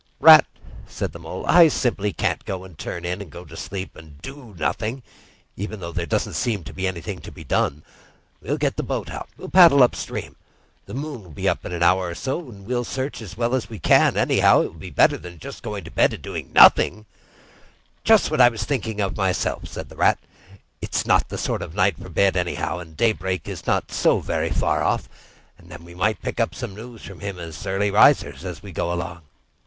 "Rat," said the Mole, "I simply can't go and turn in, and go to sleep, and do nothing, even though there doesn't seem to be anything to be done. We'll get the boat out, and paddle up stream. The moon will be up in an hour or so, and then we will search as well as we can—anyhow, it will be better than going to bed and doing nothing." "Just what I was thinking myself," said the Rat. "It's not the sort of night for bed anyhow; and daybreak is not so very far off, and then we may pick up some news of him from early risers as we go along."